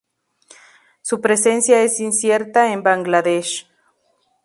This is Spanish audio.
Su presencia es incierta en Bangladesh.